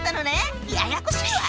ややこしいわ！